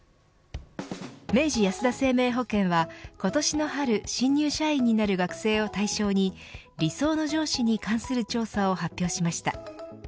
明治安田生命保険は今年の春、新入社員になる学生を対象に理想の上司に関する調査を発表しました。